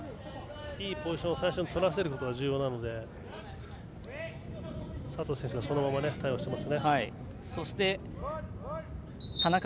いいポジションをとらせることが重要で佐藤選手がそのまま対応しています。